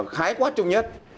khái quát trung nhất